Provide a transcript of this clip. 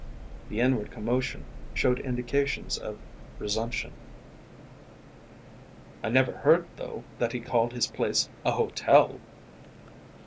The inward commotion showed indications of resumption. "I never heard, though, that he called his place a hotel!"